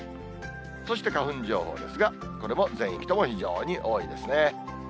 そして花粉情報ですが、これも全域とも非常に多いですね。